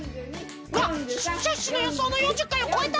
わっシュッシュのよそうの４０かいをこえた！